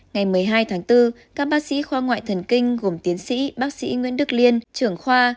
ngày một mươi hai tháng bốn các bác sĩ khoa ngoại thần kinh gồm tiến sĩ bác sĩ nguyễn đức liên trưởng khoa